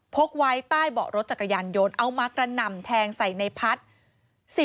กไว้ใต้เบาะรถจักรยานยนต์เอามากระหน่ำแทงใส่ในพัฒน์